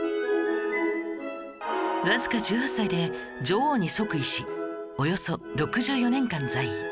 わずか１８歳で女王に即位しおよそ６４年間在位